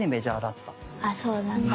あそうなんだ。